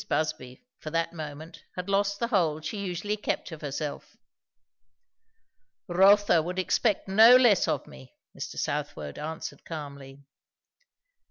Busby for that moment had lost the hold she usually kept of herself. "Rotha would expect no less of me," Mr. Southwode answered calmly.